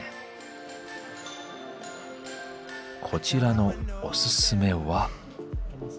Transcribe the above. こちらのおすすめは。